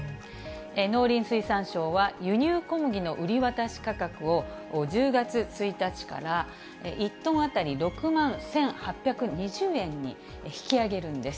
農林水産省は輸入小麦の売り渡し価格を、１０月１日から１トン当たり６万１８２０円に引き上げるんです。